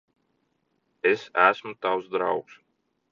Es esmu tavs draugs.